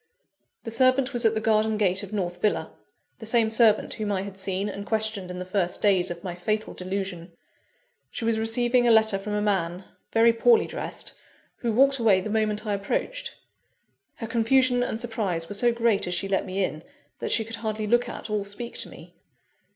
_ The servant was at the garden gate of North Villa the same servant whom I had seen and questioned in the first days of my fatal delusion. She was receiving a letter from a man, very poorly dressed, who walked away the moment I approached. Her confusion and surprise were so great as she let me in, that she could hardly look at, or speak to me.